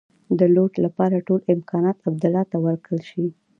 د لوټ لپاره ټول امکانات عبدالله ته ورکړل شي.